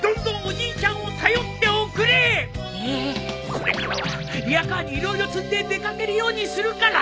これからはリヤカーに色々積んで出掛けるようにするから。